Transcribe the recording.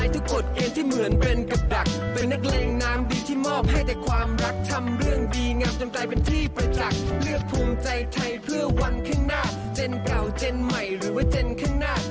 เจนเก่าเจนใหม่หรือว่าเจนข้างหน้า